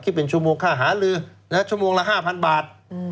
เป็นชั่วโมงค่าหาลือชั่วโมงละ๕๐๐บาท